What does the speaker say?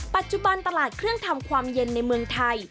ปัจจุบันตลาดเครื่องทำความเย็นในเมืองไทย